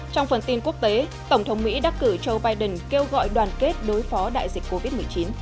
trong phần tin quốc tế tổng thống mỹ đắc cử joe biden kêu gọi đoàn kết đối phó đại dịch covid một mươi chín